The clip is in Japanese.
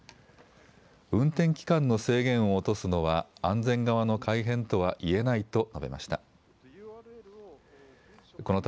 運転期間の制限を落とすのは安全側の改変とは言えないと述べました。